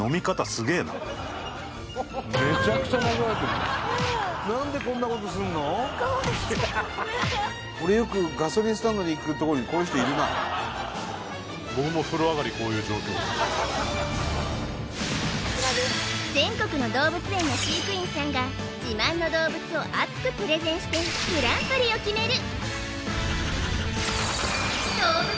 すげえな俺よく全国の動物園の飼育員さんが自慢の動物を熱くプレゼンしてグランプリを決める